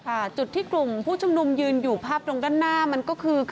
จุดที่กลุ่มผู้ชุมนุมยืนอยู่ภาพตรงด้านหน้ามันก็คือ